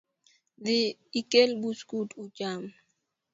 Dhi ikel buskut ucham